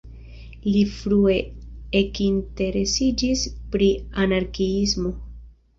Li frue ekinteresiĝis pri anarkiismo.